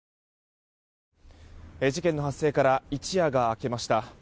事件の発生から一夜が明けました。